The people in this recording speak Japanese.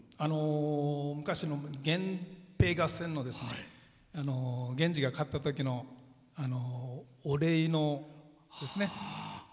昔の源平合戦のときに源氏が勝ったときのお礼のですね。